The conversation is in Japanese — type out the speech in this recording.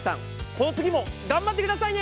この次も頑張ってくださいね！